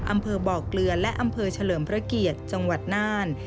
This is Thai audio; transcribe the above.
อำเภอบ่อเกลือและอำเภอเฉลิมพระเกียรติจังหวัดน่าน